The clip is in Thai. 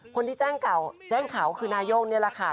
คนที่แจ้งข่าวคือนายกนี่แหละค่ะ